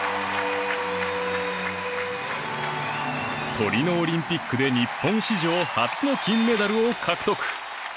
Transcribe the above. トリノオリンピックで日本史上初の金メダルを獲得